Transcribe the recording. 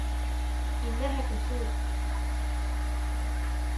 انها كسول.